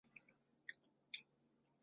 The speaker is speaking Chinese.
亘理郡是宫城县的一郡。